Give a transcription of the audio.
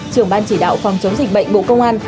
trưởng ban chỉ đạo phòng chống dịch bệnh bộ công an